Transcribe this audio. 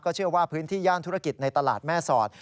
เชื่อว่าพื้นที่ย่านธุรกิจในตลาดแม่สอด